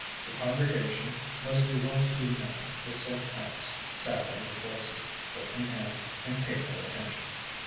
The congregation, mostly well to do men with silk hats, sat in their places, book in hand, and paid no attention.